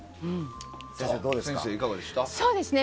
先生、いかがでしたか？